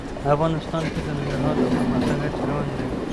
افغانستان کې د ننګرهار د پرمختګ هڅې روانې دي.